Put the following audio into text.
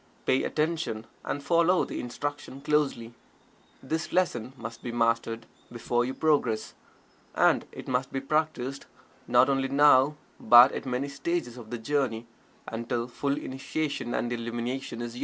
Pay attention, and follow the instruction closely. This lesson must be mastered before you progress. And it must be practiced not only now, but at many stages of the journey, until full Initiation and Illumination is yours.